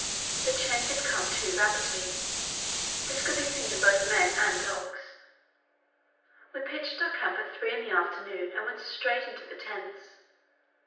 The change had come too rapidly; this could be seen both in men and in dogs. We pitched our camp at three in the afternoon, and went straight into the tents.